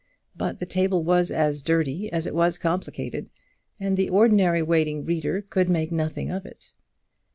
But the table was as dirty as it was complicated, and the ordinary waiting reader could make nothing of it.